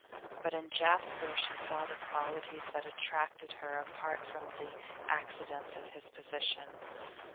But in Jasper she saw the qualities that attracted her apart from the accidents of his position.